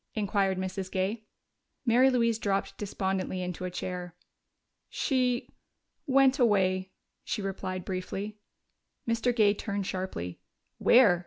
inquired Mrs. Gay. Mary Louise dropped despondently into a chair. "She went away," she replied briefly. Mr. Gay turned sharply. "Where?"